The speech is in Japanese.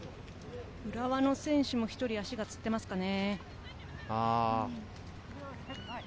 浦和の選手も足がつっていますかね。